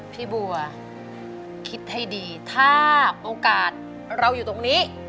พี่บัวคิดให้ดีถ้าโอกาสเราอยู่ตรงนี้